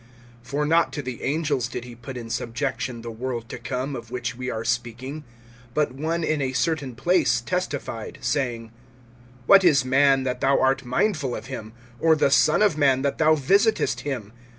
(5)For not to the angels did he put in subjection the world to come, of which we are speaking. (6)But one in a certain place testified, saying: What is man, that thou art mindful of him, Or the son of man, that thou visitest him?